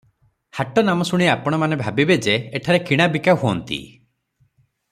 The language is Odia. ହାଟ ନାମ ଶୁଣି ଆପଣମାନେ ଯେ, ଏଠାରେ କିଣା ବିକାହୁଅନ୍ତି ।